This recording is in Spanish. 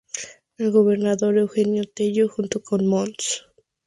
El gobernador Eugenio Tello junto con Mons.